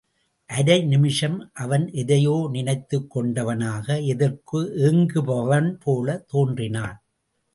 அரை நிமிஷம் அவன் எதையோ நினைத்துக் கொண்டவனாக எதற்கோ ஏங்குபவன் போலத் தோன்றினான்.